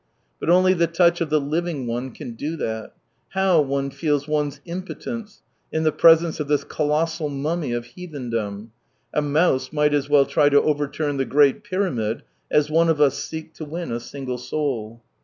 But only the touch of the Living One can do that. How one feels one's impotence in the presence of this colossal mummy of heathen dom ; a mouse might as well try to overturn the Great Pyramid as one of us seek to win a single soul.